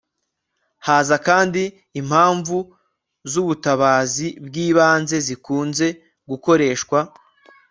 haza kandi impamvu z'ubutabazi bw'ibanze zikunze gukoreshwa